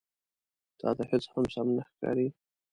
_تاته هېڅ هم سم نه ښکاري.